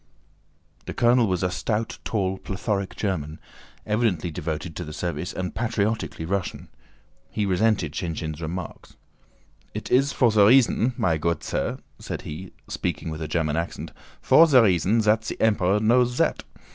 The colonel was a stout, tall, plethoric German, evidently devoted to the service and patriotically Russian. He resented Shinshín's remark. "It is for the reasson, my goot sir," said he, speaking with a German accent, "for the reasson zat ze Emperor knows zat.